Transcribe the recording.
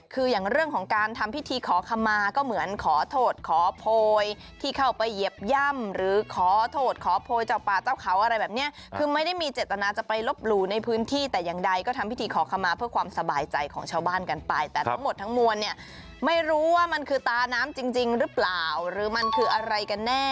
คืออย่างเรื่องของการทำพิธีขอขมาก็เหมือนขอโทษขอโพยที่เข้าไปเหยียบย่ำหรือขอโทษขอโพยเจ้าป่าเจ้าเขาอะไรแบบเนี้ยคือไม่ได้มีเจตนาจะไปลบหลู่ในพื้นที่แต่อย่างใดก็ทำพิธีขอขมาเพื่อความสบายใจของชาวบ้านกันไปแต่ทั้งหมดทั้งมวลเนี่ยไม่รู้ว่ามันคือตาน้ำจริงหรือเปล่าหรือมันคืออะไรกันแน่